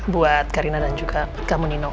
buat karina dan juga kamu nino